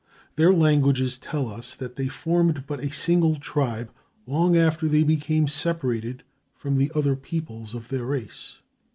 Their languages tell us that they formed but a single tribe long after they became separated from the other peoples of their race.